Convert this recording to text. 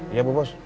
iya bu bos